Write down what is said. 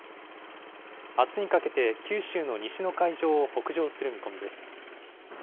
あすにかけて九州の西の海上を北上する見込みです。